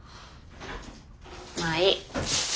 まあいい。